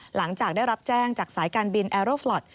หลังจากได้รับแจ้งจากสายการบินแอโรฟลอท